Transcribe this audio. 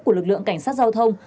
của lực lượng cảnh sát giao thông